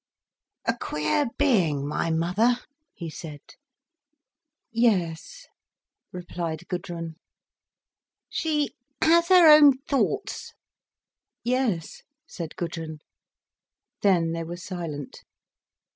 "A queer being, my mother," he said. "Yes," replied Gudrun. "She has her own thoughts." "Yes," said Gudrun. Then they were silent.